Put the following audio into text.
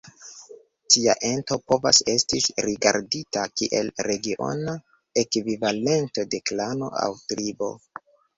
Tia ento povas estis rigardita kiel regiona ekvivalento de klano aŭ tribo.